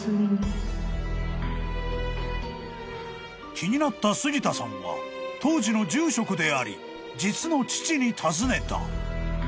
［気になった杉田さんは当時の住職であり実の父に尋ねた］